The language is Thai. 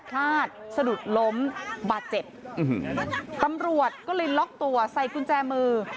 พลาดสะดุดล้มบาดเจ็บตำรวจก็เลยล็อกตัวใส่กุญแจมือ